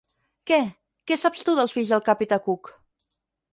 Què, què saps tu dels fills del capità Cook?